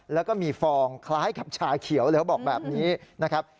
แล้วก็มีฟองคล้ายกับชาเขียวเลยเขาบอกแบบนี้นะครับ